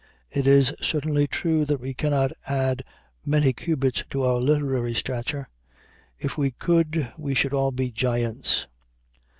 It is certainly true that we cannot add many cubits to our literary stature. If we could we should all be giants.